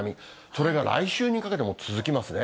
それが来週にかけても続きますね。